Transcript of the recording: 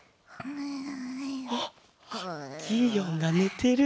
あっギーオンがねてる！